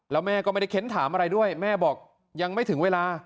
แล้วแม่ก็ไม่ได้เค้นถามอะไรด้วยแม่บอกยังไม่ถึงเวลา